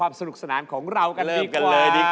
เพราะว่ารายการหาคู่ของเราเป็นรายการแรกนะครับ